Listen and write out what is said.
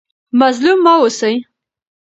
مظلوم مه اوسئ.